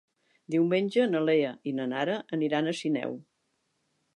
Diumenge na Lea i na Nara aniran a Sineu.